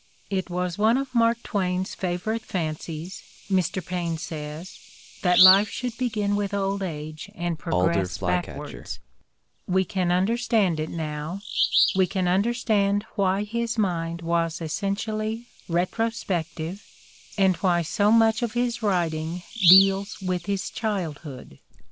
The Playboy in Letters 175 It was one of Mark Twain's favorite fancies, Mr. Paine says, that life should begin with old age and progress backwards. We can understand it now; we can understand why his mind was essentially retro spective and why so much of his writing deals with his childhood.